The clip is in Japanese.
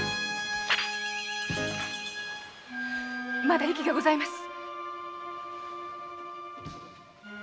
まだ息がございます。